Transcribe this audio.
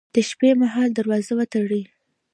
د شپې مهال دروازه وتړئ